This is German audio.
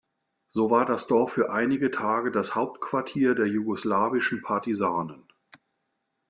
So war das Dorf für einige Tage das Hauptquartier der jugoslawischen Partisanen.